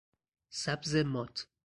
سبز مات